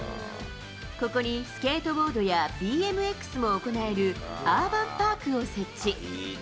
ここにスケートボードやＢＭＸも行える、アーバンパークを設置。